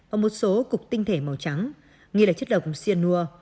ở một số cục tinh thể màu trắng nghi là chất độc xia nùa